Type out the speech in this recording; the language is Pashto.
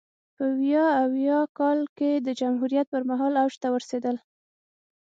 په ویا اویا کال کې د جمهوریت پرمهال اوج ته ورسېدل.